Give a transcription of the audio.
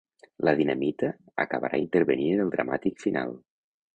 La dinamita acabarà intervenint en el dramàtic final.